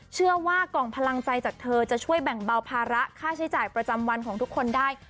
เชื่อว่ากล่องพลังใจจากเธอจะช่วยแบ่งเบาภาระค่าใช้จ่ายประจำวันของทุกคนได้